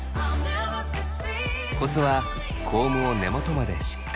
コツはコームを根元までしっかりおろすこと。